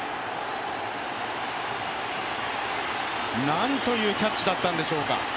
なんというキャッチだったんでしょうか。